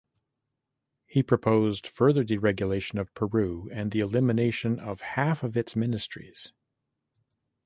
He proposed further deregulation of Peru and the elimination of half of its ministries.